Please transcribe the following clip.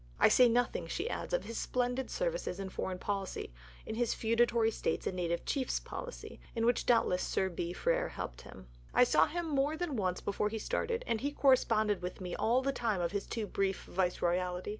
"I say nothing," she adds, "of his splendid services in foreign policy, in his Feudatory States and Native Chiefs policy, in which doubtless Sir B. Frere helped him. I saw him more than once before he started, and he corresponded with me all the time of his too brief Viceroyalty.